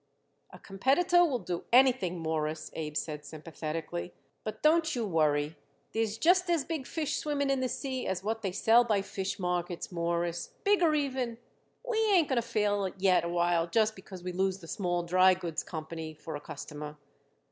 "A competitor will do anything, Mawruss," Abe said sympathetically. "But don't you worry. There's just as big fish swimming in the sea as what they sell by fish markets, Mawruss. Bigger even. We ain't going to fail yet a while just because we lose the Small Drygoods Company for a customer."